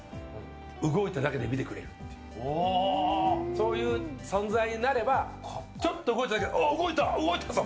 そういう存在になればちょっと動いただけであ、動いたぞ！